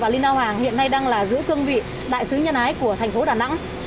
lina hoàng hiện nay đang là giữ cương vị đại sứ nhân ái của thành phố đà nẵng